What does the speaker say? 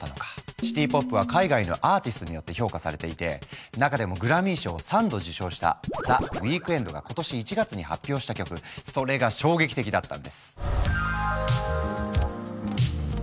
シティ・ポップは海外のアーティストによって評価されていて中でもグラミー賞を３度受賞したＴｈｅＷｅｅｋｎｄが今年１月に発表した曲それが衝撃的だったんです。